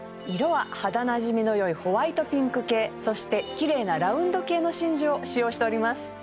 色は肌なじみの良いホワイトピンク系そしてきれいなラウンド系の真珠を使用しております